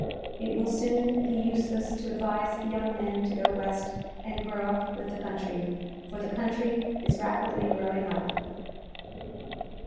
It will soon be useless to advise young men to go west and grow up with the country, for the country is raj)idly grow ing up.